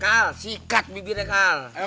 kal sikat bibirnya kal